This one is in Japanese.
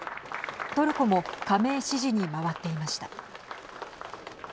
トルコも加盟支持に回っていました。